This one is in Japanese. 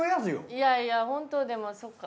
いやいやでもそっか。